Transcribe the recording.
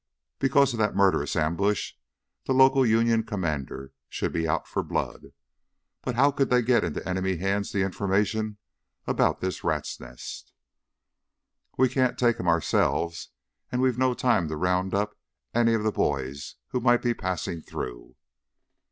Because of that murderous ambush, the local Union commander should be out for blood. But how could they get into enemy hands the information about this rats' nest? "We can't take 'em ourselves, and we've no time to round up any of the boys who might be passin' through."